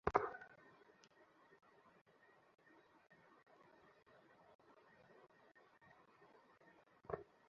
নীলুকে ইদানীং তিনি ভয় করেন।